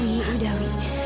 wih sudah wih